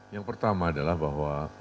yang pertama adalah